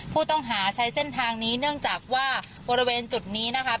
ผู้ต้องหาใช้เส้นทางนี้เนื่องจากว่าบริเวณจุดนี้นะคะ